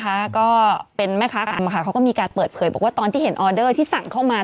ก็เป็นแม่ค้ากรรมค่ะเขาก็มีการเปิดเผยบอกว่าตอนที่เห็นออเดอร์ที่สั่งเข้ามา